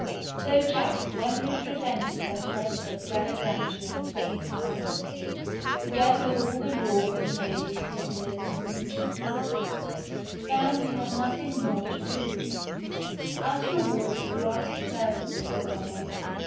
So Jack, when he had presented the head of Galligantua to King Arthur, together with all the lords and ladies he had delivered from enchantment, found he had nothing more to do. As a reward for past services, however.